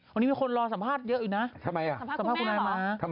วันนี้มีคนรอสัมภาษณ์เยอะอยู่นะสัมภาษณ์คุณนายม้า